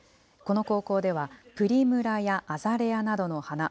この高校では、プリムラやアザレアなどの花